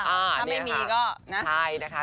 ถ้าไม่มีก็นะใช่นะคะ